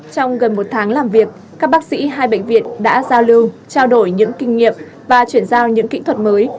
trong gần một tháng làm việc các bác sĩ hai bệnh viện đã giao lưu trao đổi những kinh nghiệm và chuyển giao những kỹ thuật mới